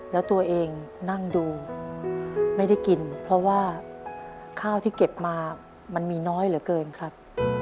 แล้วตัวเองนั่งดูไม่ได้กินเพราะว่าข้าวที่เก็บมามันมีน้อยเหลือเกินครับ